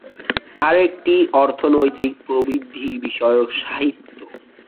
আরেকটি অর্থনৈতিক প্রবৃদ্ধি বিষয়ক সাহিত্য।